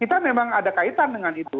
kita memang ada kaitan dengan itu